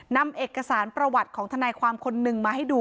นำเอกสารประวัติของทนายความคนหนึ่งมาให้ดู